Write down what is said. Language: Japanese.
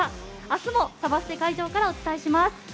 明日もサマステ会場からお伝えします。